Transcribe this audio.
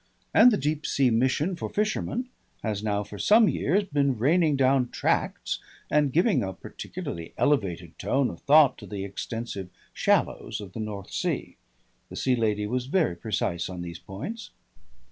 And the Deep Sea Mission for Fishermen has now for some years been raining down tracts and giving a particularly elevated tone of thought to the extensive shallows of the North Sea. The Sea Lady was very precise on these points.